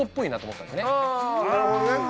なるほどねあ！